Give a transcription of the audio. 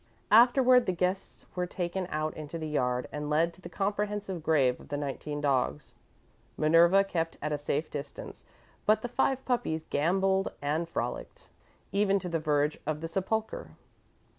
Afterward, the guests were taken out into the yard, and led to the comprehensive grave of the nineteen dogs. Minerva kept at a safe distance, but the five puppies gambolled and frolicked, even to the verge of the sepulchre.